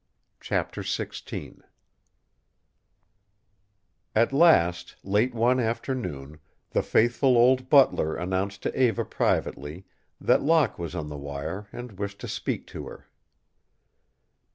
CHAPTER XVI At last, late one afternoon, the faithful old butler announced to Eva privately that Locke was on the wire and wished to speak to her.